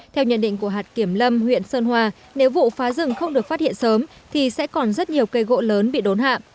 theo nhận định của hạt kiểm lâm huyện sơn hòa nếu vụ phá rừng không được phát hiện sớm thì sẽ còn rất nhiều cây gỗ lớn bị đốn hạ